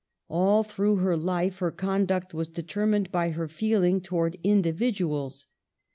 All through her life her conduct was determined by her feeling towards individuals.